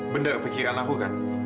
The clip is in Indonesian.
bener pikiran aku kan